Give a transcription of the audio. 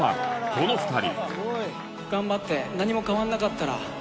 この２人